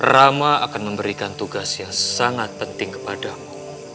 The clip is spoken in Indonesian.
rama akan memberikan tugas yang sangat penting kepadamu